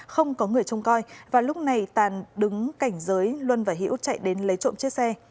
không có người trông coi và lúc này tàn đứng cảnh giới luân và hiễu chạy đến lấy trộm chiếc xe